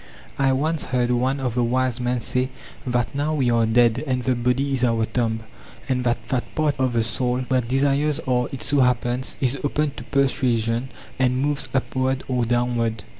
I once heard one of the wise men say that now we are dead and the body is our tomb, and that that part of the soul where desires are, it so happens, is open to persuasion, and moves upward or downward.